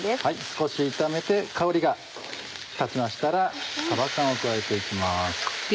少し炒めて香りが立ちましたらさば缶を加えて行きます。